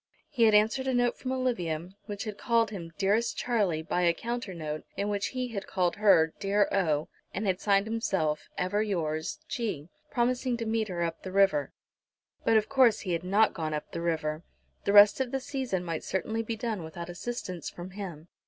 He had answered a note from Olivia, which had called him "dearest Charlie" by a counter note, in which he had called her "dear O," and had signed himself "ever yours, G," promising to meet her up the river. But of course he had not gone up the river! The rest of the season might certainly be done without assistance from him.